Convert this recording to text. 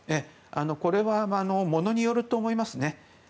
これは物によると思いますね。